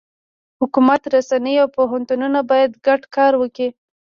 حکومت، رسنۍ، او پوهنتونونه باید ګډ کار وکړي.